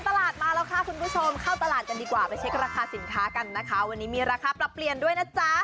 ตลาดมาแล้วค่ะคุณผู้ชมเข้าตลาดกันดีกว่าไปเช็คราคาสินค้ากันนะคะวันนี้มีราคาปรับเปลี่ยนด้วยนะจ๊ะ